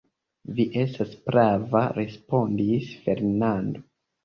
Vi estas prava, respondis Fernando!